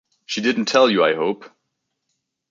She didn't tell you, I hope?